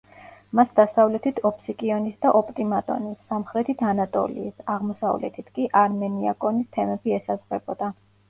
მას დასავლეთით ოფსიკიონის და ოპტიმატონის, სამხრეთით ანატოლიის, აღმოსავლეთით კი არმენიაკონის თემები ესაზღვრებოდა.